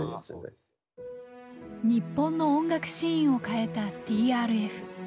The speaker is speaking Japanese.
日本の音楽シーンを変えたＴＲＦ。